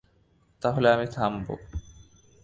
তাহলে আমি থামব।